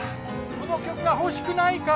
この曲が欲しくないか？